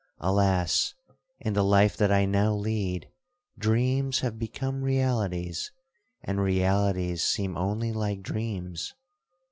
Alas! in the life that I now lead, dreams have become realities, and realities seem only like dreams.